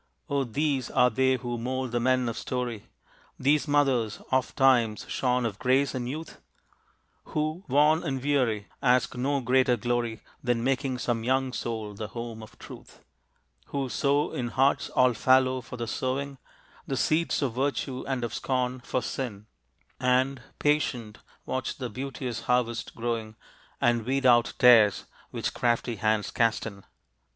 O these are they who mold the men of story, These mothers, ofttimes shorn of grace and youth, Who, worn and weary, ask no greater glory Than making some young soul the home of truth, Who sow in hearts all fallow for the sowing The seeds of virtue and of scorn for sin, And, patient, watch the beauteous harvest growing And weed out tares which crafty hands cast in.